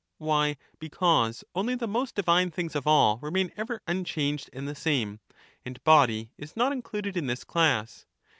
Why, because only the most divine things of all and the remain ever unchanged and the same, and body is not ^^""^^. included in this class.